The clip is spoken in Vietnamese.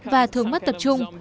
và thường mất tập trung